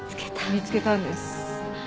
見つけたんです。